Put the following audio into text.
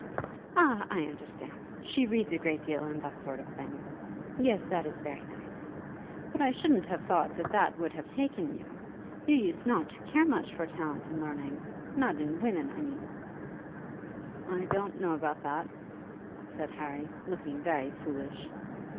"Ah, I understand. She reads a great deal, and that sort of thing. Yes; that is very nice. But I shouldn't have thought that that would have taken you. You used not to care much for talent and learning, not in women I mean." "I don't know about that," said Harry, looking very foolish.